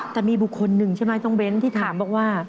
แต่มีบุคคลหนึ่งใช่ไหมน้องเบ้นที่ถามบอกว่า